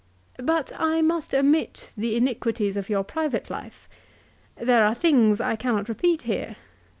" But I must omit the iniquities of your private life. There are things I cannot repeat here.